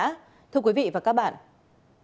kính chào quý vị và các bạn đến với tiểu mục lệnh truy nã